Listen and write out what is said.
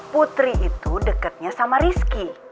putri itu dekatnya sama rizky